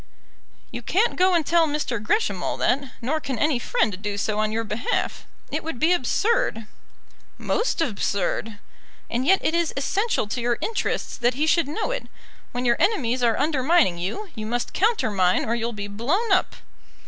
"You can't go and tell Mr. Gresham all that; nor can any friend do so on your behalf. It would be absurd." "Most absurd." "And yet it is essential to your interests that he should know it. When your enemies are undermining you, you must countermine or you'll be blown up."